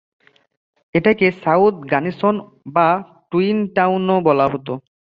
এটাকে South Gunnison বা twin টাউনও বলা হতো।